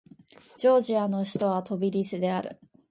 ジョージアの首都はトビリシである